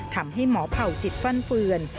ทำให้หมอเผ่าจิตฟันเฟือน